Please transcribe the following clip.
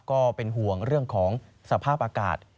ก็เป็นห่วงเรื่องของสภาพอากาศ